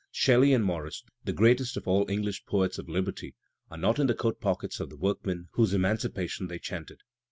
Shelley and Morris, the greatest of all English poets of liberty, are not in the coat pockets of the workmen whose emancipation they chanted.